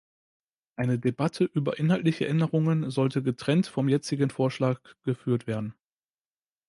Eine Debatte über inhaltliche Änderungen sollte getrennt vom jetzigen Vorschlag geführt werden.